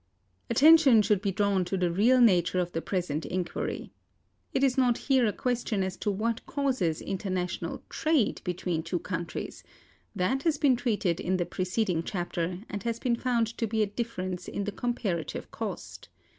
Attention should be drawn to the real nature of the present inquiry. It is not here a question as to what causes international trade between two countries: that has been treated in the preceding chapter, and has been found to be a difference in the comparative cost.